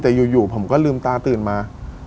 แต่อยู่ผมก็ลืมตาตื่นมา